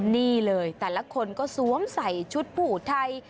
นี่เลยแต่ละคนก็สวมใส่ชุดผูไทย